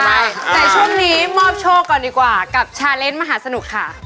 ใช่แต่ช่วงนี้มอบโชคก่อนดีกว่ากับชาเลนส์มหาสนุกค่ะ